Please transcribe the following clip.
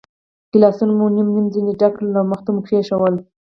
ګیلاسونه مو نیم نیم ځنې ډک کړل او مخې ته مو کېښوول.